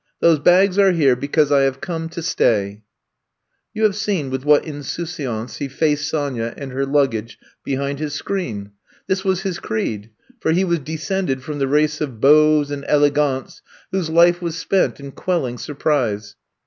Those bags are here because / have come to stayT' You have seen with what insouciance he faced Sonya and her luggage behind his screen. This was his creed, for he was descended from the race of beaux and ele gants whose life was spent in quelling surprise.